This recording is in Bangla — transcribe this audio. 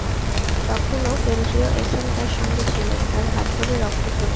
তখনো কেন্দ্রীয় এসএম তাঁর সঙ্গে ছিলেন, তাঁর হাত থেকে রক্ত ঝরছিল।